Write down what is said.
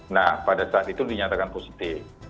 nah pada saat itu dinyatakan positif